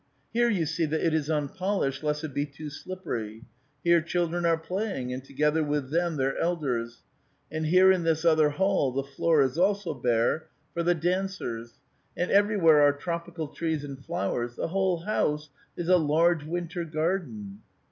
Here you see that it is unpolished, lest it should be too slippeiy. Here children are playing, and together w^ith them their elders ; and here in this other hall the floor is also bare, for the dancers. And everywhere are tropical trees and flowers ; the whole house is a large winter garden."